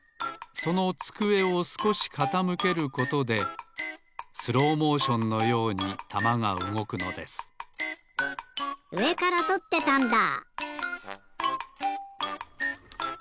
そのつくえをすこしかたむけることでスローモーションのようにたまがうごくのですうえからとってたんだ！